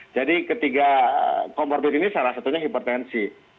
jadi ketiga comorbid ini salah satunya hipertensi